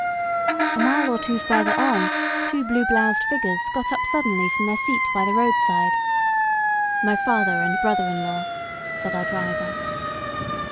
A mile or two further on two blue bloused figures got up suddenly from their seat by the roadside. "My father and brother in law," said our driver.